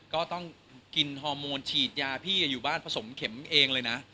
ก็ต้องกินฮอร์โมนฉีดยาพี่อยู่บ้านผสมเข็มเองเลยนะ